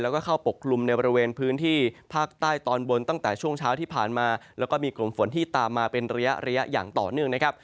แล้วก็เข้าปกกลุ่มในบริเวณพื้นที่ภาคใต้ตอนบนตั้งแต่ช่วงเช้าที่ผ่านมาแล้วก็มีกลุ่มฝนที่ตามมาเป็นระยะระยะอย่างต่อเนื่องนะครับ